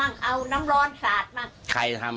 เอาตะลิวสับมั่งเอาน้ำร้อนสาดมั่ง